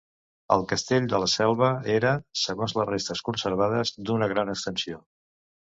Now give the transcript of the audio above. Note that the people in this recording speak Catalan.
El castell de la Selva era, segons les restes conservades, d’una gran extensió.